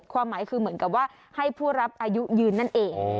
ความหมายคือเหมือนกับว่าให้ผู้รับอายุยืนนั่นเอง